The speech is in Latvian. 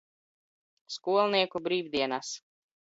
Skolnieku brīvdienas.